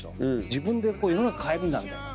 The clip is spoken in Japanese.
自分で世の中変えるんだみたいな。